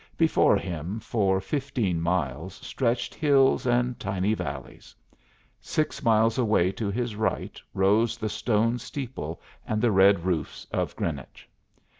Before him, for fifteen miles stretched hills and tiny valleys. Six miles away to his right rose the stone steeple, and the red roofs of Greenwich.